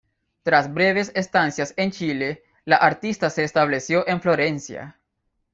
Tras breves estancias en Chile, la artista se estableció en Florencia.